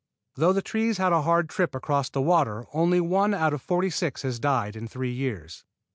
Though the trees had a hard trip across the water only one out of forty six has died in three years.